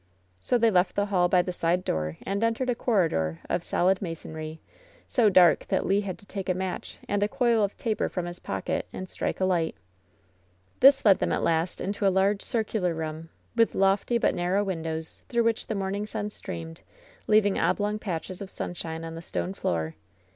So they left the hall by the side door and entered a corridor of solid masonry, so dark that Le had to take a match and a coil of taper from his pocket and strike a light This led them at last into a large circular room, with lofty but narrow windows, through which the morning «68 LOVE'S BITTEREST CUP sun streamed^ leaving oblong patches of sunshine on the stone floor.